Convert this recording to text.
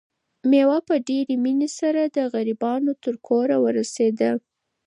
مېوه په ډېرې مینې سره د غریبانو تر کوره ورسېده.